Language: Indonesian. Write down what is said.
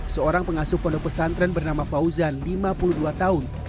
seorang pengasuh pondok pesantren bernama fauzan lima puluh dua tahun